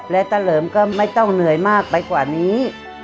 และตะเหลิมก็ไม่ต้องเหนื่อยมากไปกว่านี้